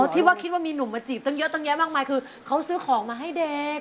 ที่ว่าคิดว่ามีหนุ่มมาจีบตั้งเยอะตั้งแยะมากมายคือเขาซื้อของมาให้เด็ก